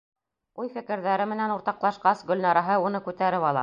Уй-фекерҙәре менән уртаҡлашҡас, Гөлнараһы уны күтәреп ала.